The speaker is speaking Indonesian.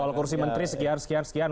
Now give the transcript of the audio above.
soal kursi menteri sekian sekian bukan